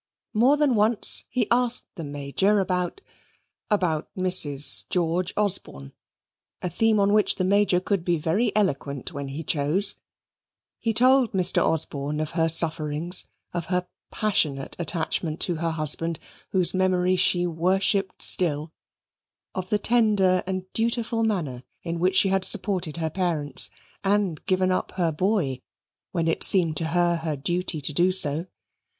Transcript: More than once he asked the Major about about Mrs. George Osborne a theme on which the Major could be very eloquent when he chose. He told Mr. Osborne of her sufferings of her passionate attachment to her husband, whose memory she worshipped still of the tender and dutiful manner in which she had supported her parents, and given up her boy, when it seemed to her her duty to do so.